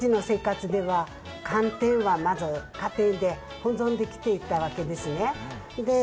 雪国の生活では寒天はまずまず家庭で保存できていたわけです。